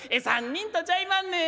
「３人とちゃいまんねん。